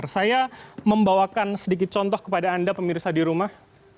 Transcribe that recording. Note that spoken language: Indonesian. saya membawakan sedikit contoh kepada anda pemirsa di rumah